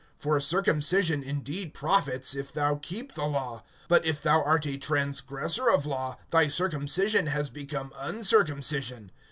(25)For circumcision indeed profits, if thou keep the law; but if thou art a transgressor of law, thy circumcision has become uncircumcision.